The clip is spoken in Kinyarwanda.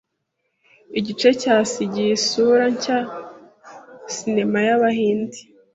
igice cyasigiye isura nshya Cinema y’Abahinde